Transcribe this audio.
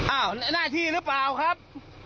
หน้าที่หรือเปล่าครับ